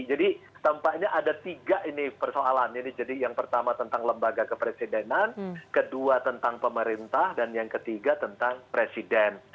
jadi tampaknya ada tiga persoalan jadi yang pertama tentang lembaga kepresidenan kedua tentang pemerintah dan yang ketiga tentang presiden